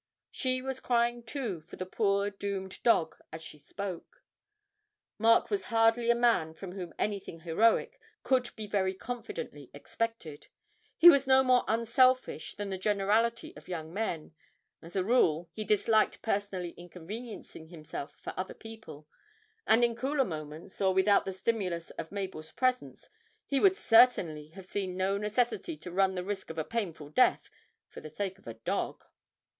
She was crying, too, for the poor doomed dog as she spoke. Mark was hardly a man from whom anything heroic could be very confidently expected; he was no more unselfish than the generality of young men; as a rule he disliked personally inconveniencing himself for other people, and in cooler moments, or without the stimulus of Mabel's presence, he would certainly have seen no necessity to run the risk of a painful death for the sake of a dog.